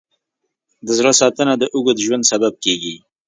د زړه ساتنه د اوږد ژوند سبب کېږي.